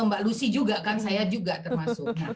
mbak lucy juga kan saya juga termasuk